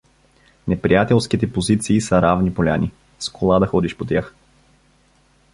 неприятелските позиции, са равни поляни, с кола да ходиш по тях.